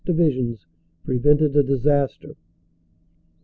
Divisions, prevented a disaster.